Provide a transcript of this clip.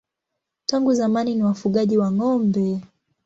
Tangu zamani ni wafugaji wa ng'ombe.